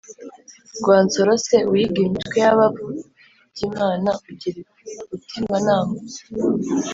rwansoro se, uhiga imitwe y’abavugimana ugira utima-nama?